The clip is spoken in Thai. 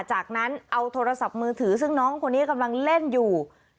จากนั้นเอาโทรศัพท์มือถือซึ่งน้องคนนี้กำลังเล่นอยู่